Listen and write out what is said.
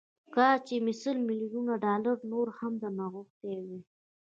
کاشکي مې سل ميليونه ډالر نور هم درنه غوښتي وای.